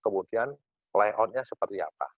kemudian layoutnya seperti apa